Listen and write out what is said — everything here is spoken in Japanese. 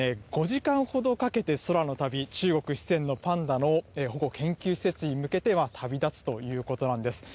シャンシャンはこのあと、５時間半ほどかけて空の旅、中国・四川のパンダの保護研究施設に向けて旅立つということなんです。